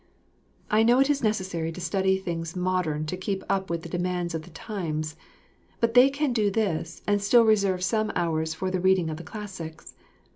I know it is necessary to study things modern to keep up with the demands of the times; but they can do this and still reserve some hours for the reading of the classics.